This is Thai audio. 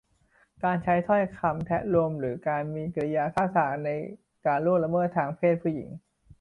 การใช้ถ้อยคำแทะโลม หรือการมีกิริยาท่าทางในการล่วงละเมิดทางเพศผู้หญิง